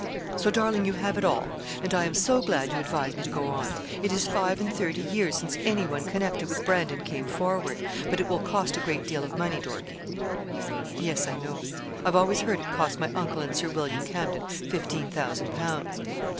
So, darling, you have it all; and I am so glad you advise me to go on. It is five and thirty years since anyone connected with Brandon came forward. But it will cost a great deal of money, Dorkie.' 'Yes, I know. I've always heard it cost my uncle and Sir William Camden fifteen thousand pounds.'